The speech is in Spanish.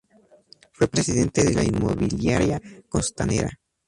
Fue Presidente de la inmobiliaria Costanera.